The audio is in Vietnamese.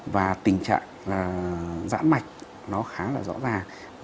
và tình trạng dãn mạch nó khá là rõ ràng